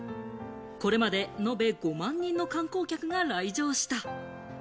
これまで延べ５万人の観光客が来場した。